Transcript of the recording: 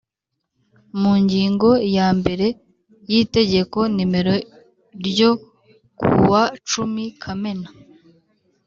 mu ngingo ya mbere y Itegeko nimero ryo kuwa cumi kamena